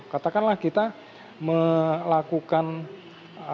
katakanlah kita melakukan membuat mereka jangan sampai berkembang terbatas pada